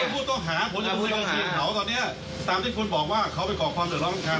ผมจะคุยกับเขาตอนนี้ตามที่คุณบอกว่าเขาไปกรอกความสุดร้อนของเขา